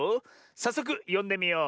さっそくよんでみよう。